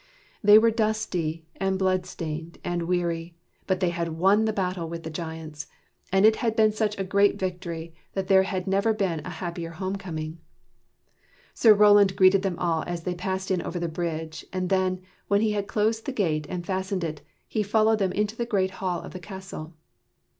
They were dusty and bloodstained and weary, but they had won the battle with the giants; and it had been such a great victory that there had never been a happier home coming. Sir Roland greeted them all as they passed in over the bridge, and then, when he had closed the gate and fastened it, he followed them into the great hall of the castle.